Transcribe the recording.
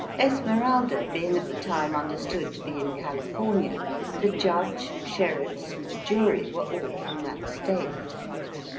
Esmeralda being at the time understood to be in California, the judge, sheriffs, and jury were all from that Stjite.